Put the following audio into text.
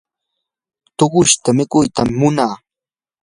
tuqushta mikuytam munaa.